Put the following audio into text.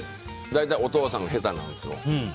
大体お父さんが下手なんですよ。